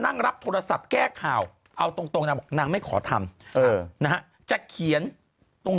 นั่งรับโทรศัพท์แก้ข่าวเอาตรงนางไม่ขอทำนะจะเขียนตรง